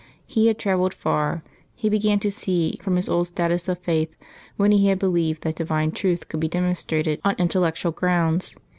He had travelled far, he began to see, from his old status of faith, when he had believed that divine truth could be demonstrated on intellectual grounds.